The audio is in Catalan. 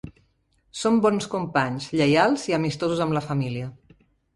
Són bons companys, lleials i amistosos amb la família.